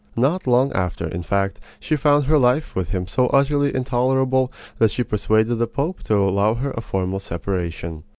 Not long after, in fact, she found her life with him so utterly intolerable that she persuaded the Pope to allow her a formal separation.